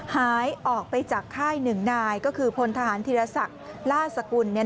หายออกไปจากค่าย๑นายก็คือพลทหารธิรศักดิ์ล่าสกุล